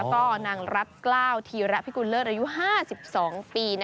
แล้วก็นางรัฐกล้าวธีระพิกุลเลิศอายุ๕๒ปี